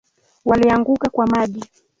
Walianguka kwa maji.